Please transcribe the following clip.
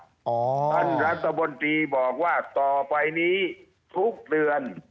ท่านรัฐบนตรีบอกว่าต่อไปนี้ทุกเดือน